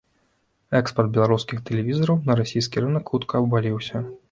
Экспарт беларускіх тэлевізараў на расійскі рынак хутка абваліўся.